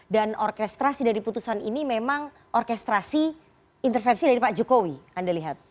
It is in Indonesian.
dan orkestrasi dari putusan ini memang orkestrasi intervensi dari pak jokowi anda lihat